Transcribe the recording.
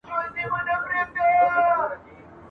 نه پر چا احسان د سوځېدو لري ..